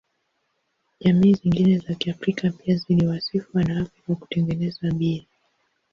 Jamii zingine za Kiafrika pia ziliwasifu wanawake kwa kutengeneza bia.